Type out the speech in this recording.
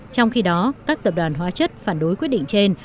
trong khi đó các tập đoàn hóa chất phản đối quyết định trên